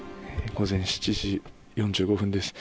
午前７時４５分です。